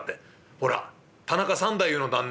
ほら田中三太夫の旦那